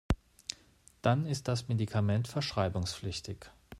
Dann ist das Medikament verschreibungspflichtig.